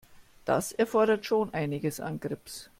Das erfordert schon einiges an Grips.